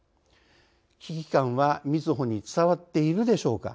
危機感はみずほに伝わっているでしょうか。